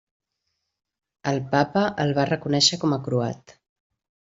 El Papa el va reconèixer com a croat.